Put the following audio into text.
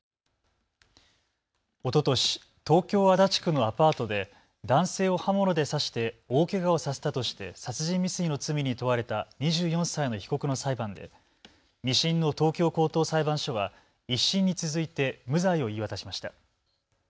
おととし東京足立区のアパートで男性を刃物で刺して大けがをさせたとして殺人未遂の罪に問われた２４歳の被告の裁判で２審の東京高等裁判所は１審に続いて無罪を言い渡しました。